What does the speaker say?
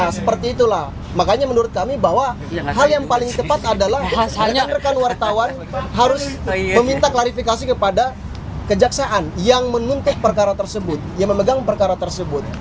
nah seperti itulah makanya menurut kami bahwa hal yang paling tepat adalah hanya rekan wartawan harus meminta klarifikasi kepada kejaksaan yang menuntut perkara tersebut yang memegang perkara tersebut